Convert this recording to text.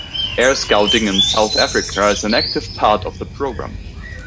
Air Scouting in South Africa is an active part of the program.